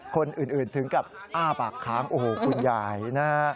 คนอื่นถึงกับอ้าปากค้างโอ้โหคุณยายนะฮะ